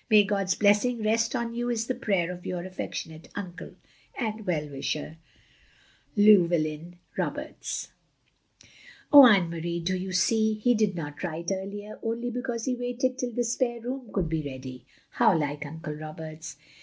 " May God's Blessing rest on you is the prayer of your affectionate uncle and welUwisher, Llewellyn Roberts." "Oh, Atme Marie, do you see? He did not OP GROSVENOR SQUARE 373 write earlier, only because he waited till the spare room shotild be ready. How like Uncle Roberts."